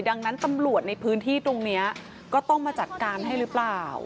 ดังนั้นตำรวจในพื้นที่ตรงนี้ก็ต้องมาจัดการให้หรือเปล่า